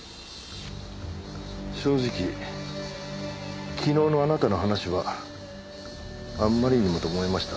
正直昨日のあなたの話はあんまりにもと思いました。